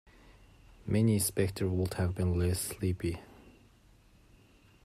Many a spectre would have been less slippy.